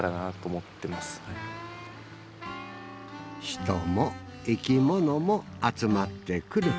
人も生き物も集まってくる。